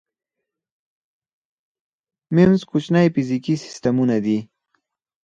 میمز کوچني فزیکي سیسټمونه دي.